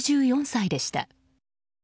６４歳でした。